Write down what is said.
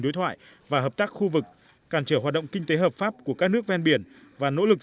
đối thoại và hợp tác khu vực cản trở hoạt động kinh tế hợp pháp của các nước ven biển và nỗ lực